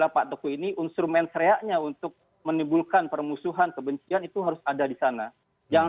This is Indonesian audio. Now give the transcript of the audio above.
pak teguh ini instrumen sereaknya untuk menimbulkan permusuhan kebencian itu harus ada di sana yang